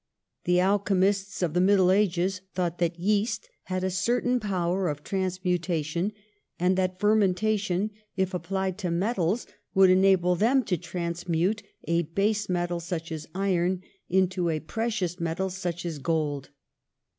The alchemists of the middle ages thought that yeast had a certain power of transmuta tion and that fermentation, if applied to metals, would enable them to transmute a base metal, such as iron, into a precious metal, such as gold.